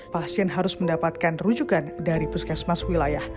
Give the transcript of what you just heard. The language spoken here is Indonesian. pasien harus mendapatkan rujukan dari puskesmas wilayah